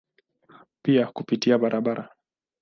Pia kupitia barabara.